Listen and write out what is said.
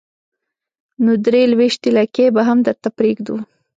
نو درې لوېشتې لکۍ به هم درته پرېږدو.